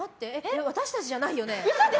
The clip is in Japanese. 私たちじゃないよね？